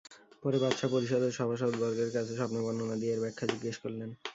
পরে বাদশাহ পারিষদ ও সভাসদবর্গের কাছে স্বপ্নের বর্ণনা দিয়ে এর ব্যাখ্যা জিজ্ঞেস করলেন।